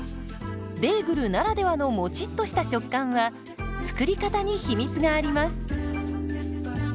ベーグルならではのもちっとした食感は作り方に秘密があります。